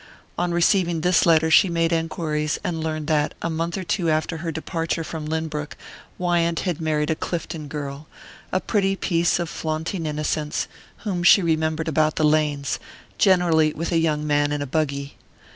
On receiving this letter she made enquiries, and learned that, a month or two after her departure from Lynbrook, Wyant had married a Clifton girl a pretty piece of flaunting innocence, whom she remembered about the lanes, generally with a young man in a buggy.